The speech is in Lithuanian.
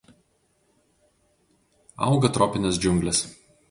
Auga tropinės džiunglės.